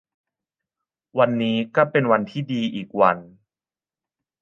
วันนี้ก็เป็นวันที่ดีอีกวัน